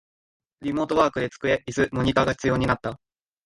リモートワークで机、イス、モニタが必要になった